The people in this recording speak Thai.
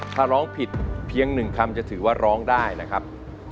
ถ้าร้องผิดเพียง๑คำจะถือว่าร้องได้นะครับ